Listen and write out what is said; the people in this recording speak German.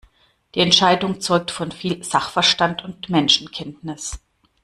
Die Entscheidung zeugt von viel Sachverstand und Menschenkenntnis.